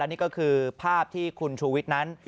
และนี่ก็คือภาพที่คุณชุวิตนั้น